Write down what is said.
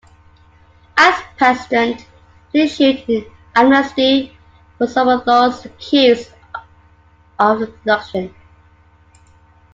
As president, he issued an amnesty for some of those accused of the abduction.